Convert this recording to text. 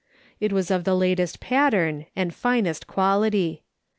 It was of the latest pattern and finest qiiality.